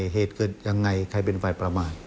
เพราะว่าเกิดยังไงใครเป็นไฟประมาณ